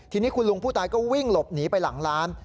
ทีนี้คุณลุงผู้ตายก็วิ่งหลบหนีไปหลังร้าน